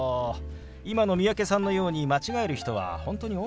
今の三宅さんのように間違える人は本当に多いんですよ。